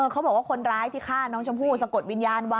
เขาบอกว่าคนร้ายที่ฆ่าน้องชมพู่สะกดวิญญาณไว้